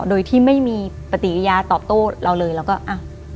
โดยที่ไม่มีปฏิกิริยาตอบโต้เราเลยเราก็อ่ะ